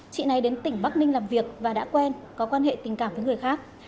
chị này đến tỉnh bắc ninh làm việc và đã quen có quan hệ tình cảm với người khác